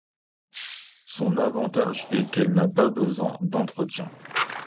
Son avantage est qu'elle n'a pas besoin d'entretien.